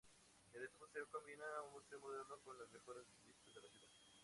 Este museo combina un museo moderno con las mejores vistas de la ciudad.